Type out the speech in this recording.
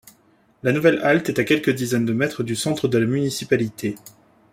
La nouvelle halte est à quelque dizaines de mètres du centre de la municipalité.